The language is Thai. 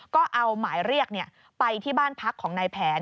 ก็เอาหมายเรียกไปที่บ้านพักของนายแผน